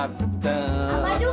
gak bisa sih